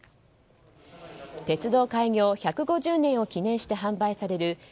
鉄道開業１５０年を記念して発売される